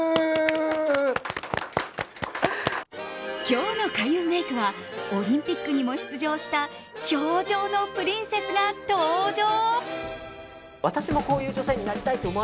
今日の開運メイクはオリンピックにも出場した氷上のプリンセスが登場。